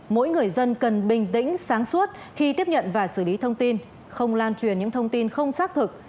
mỗi người dân cần bình tĩnh sáng suốt khi tiếp nhận và xử lý thông tin không lan truyền những thông tin không xác thực